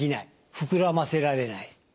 膨らませられない。